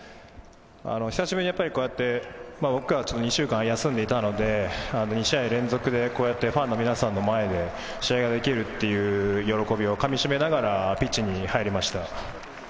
久しぶりにこうやって、僕は２週間休んでいたので、２試合連続でこうやってファンの皆さんの前で試合ができるという喜びをかみしめながらピッチに入りました。